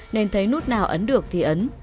nên thấy nút nào ấn được thì ấn